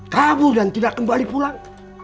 kabur dan tidak kembali pulang